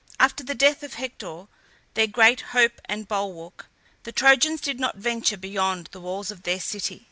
After the death of Hector, their great hope and bulwark, the Trojans did not venture beyond the walls of their city.